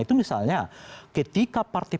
itu misalnya ketika partai